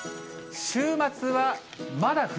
週末はまだ冬。